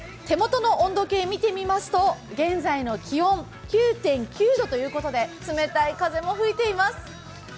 手元の温度計見てみますと、現在の気温、９．９度ということで冷たい風も吹いています。